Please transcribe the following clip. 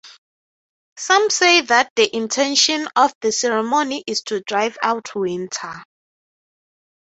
Some say that the intention of the ceremony is to drive out winter.